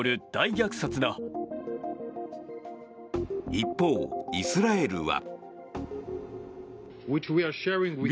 一方、イスラエルは。